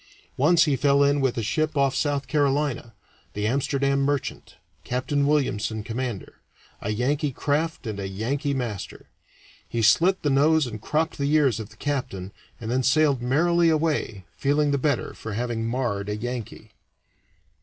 Once he fell in with a ship off South Carolina the Amsterdam Merchant, Captain Williamson, commander a Yankee craft and a Yankee master. He slit the nose and cropped the ears of the captain, and then sailed merrily away, feeling the better for having marred a Yankee.